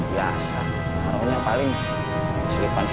biasa kalau ini paling selipan selipan buku